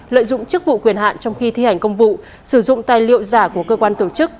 lợi dụng chức vụ quyền hạn trong khi thi hành công vụ sử dụng tài liệu giả của cơ quan tổ chức